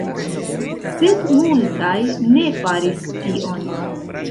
Sed multaj ne faris tion.